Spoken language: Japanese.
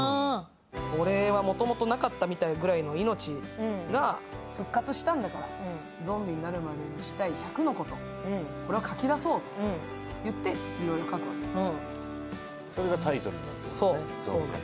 俺はもともとなかったみたいな命が、復活したんだからゾンビになるまでにしたい１００のことこれを書き出そうと言って、いろいろ書くわけです。